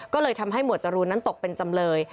ก็เลยทำให้หมวดจรูนนั้นตกเป็นจำเลย